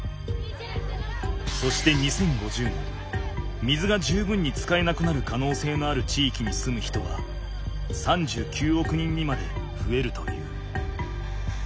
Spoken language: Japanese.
そして２０５０年水が十分に使えなくなる可能性のある地域に住む人は３９億人にまで増えるという。